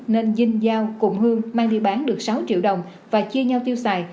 nên dinh giao cùng hương mang đi bán được sáu triệu đồng và chia nhau tiêu xài